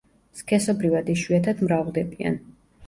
სქესობრივად იშვიათად მრავლდებიან.